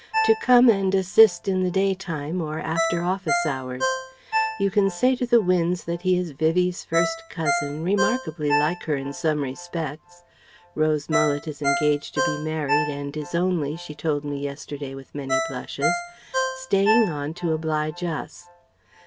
"to come and assist in the day time or after office hours. You can say to the winds that he is Vivie's first cousin, remarkably like her in some respects.... Rose Mullet is engaged to be married and is only she told me yesterday with many blushes staying on to oblige us.